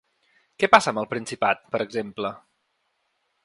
Què passa amb el Principat, per exemple?